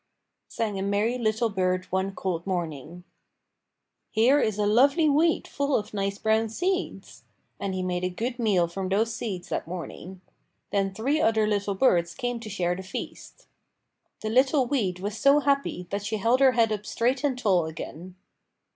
sang a merry little bird one cold morning. "Here is a lovely weed full of nice brown seeds!" And he made a good meal from those seeds that morning. Then three other little birds came to share the feast. The little weed was so happy that she held her head up straight and tall again.